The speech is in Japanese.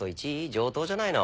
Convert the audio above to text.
上等じゃないの。